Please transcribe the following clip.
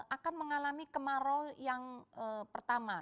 akan mengalami kemarau yang pertama